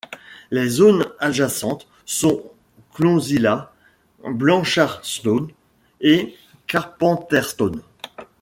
Les zones adjacentes sont Clonsilla, Blanchardstown et Carpenterstown.